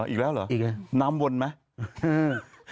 อีกแล้วเหรอน้ำวนไหม